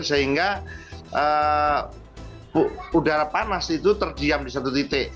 sehingga udara panas itu terdiam di satu titik